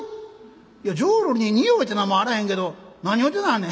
いや浄瑠璃に匂いっていうのはあらへんけど何を言うてなはんねん」。